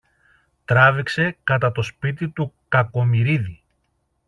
τράβηξε κατά το σπίτι του Κακομοιρίδη.